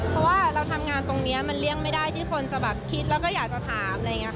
เพราะว่าเราทำงานตรงนี้มันเลี่ยงไม่ได้ที่คนจะแบบคิดแล้วก็อยากจะถาม